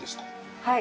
はい。